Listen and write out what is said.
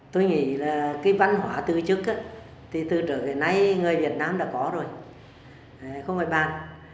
tôi nghĩ là cái văn hóa tử chức thì từ trở về nay người việt nam đã có rồi không phải bạn